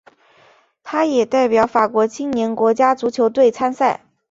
他也代表法国青年国家足球队参赛。